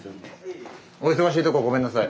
お忙しいとこごめんなさい。